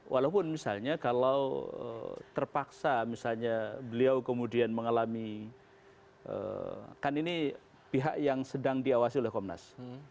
walaupun misalnya kalau terpaksa misalnya beliau kemudian mengalami kan ini pihak yang sedang diawasi oleh komnas